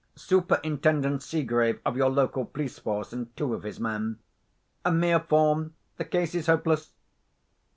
Superintendent Seegrave, of your local police force, and two of his men. A mere form! The case is hopeless."